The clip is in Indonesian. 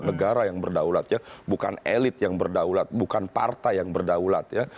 negara yang berdaulat ya bukan elit yang berdaulat bukan partai yang berdaulat ya